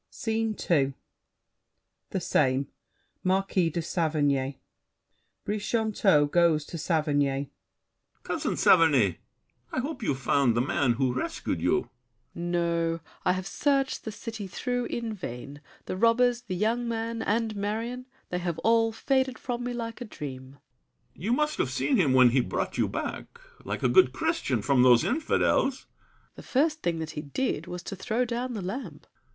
SCENE II The same. Marquis de Saverny BRICHANTEAU (going to Saverny). Cousin Saverny, I hope you've found the man who rescued you. SAVERNY. No; I have searched the city through in vain. The robbers, the young man, and Marion— They have all faded from me like a dream. BRICHANTEAU. You must have seen him when he brought you back, Like a good Christian, from those infidels. SAVERNY. The first thing that he did was to throw down The lamp.